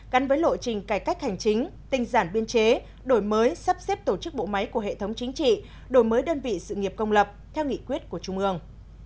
gắn với lộ trình cải cách hành chính tinh giản biên chế đổi mới sắp xếp tổ chức bộ máy của hệ thống chính trị đổi mới đơn vị sự nghiệp công lập theo nghị quyết của trung ương